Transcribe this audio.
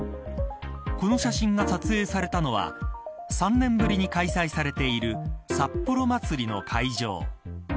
この写真が撮影されたのは３年ぶりに開催されている札幌まつりの会場。